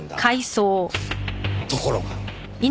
ところが。